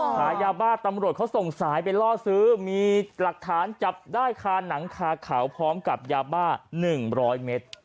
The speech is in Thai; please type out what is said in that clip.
หายาบ้าตำรวจเขาส่งสายไปล่อซื้อมีหลักฐานจับได้คาหนังคาเขาพร้อมกับยาบ้า๑๐๐เมตร